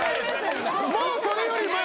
もうそれより前ないよ。